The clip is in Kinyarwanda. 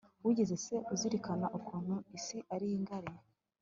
wigeze se uzirikana ukuntu isi ari ngari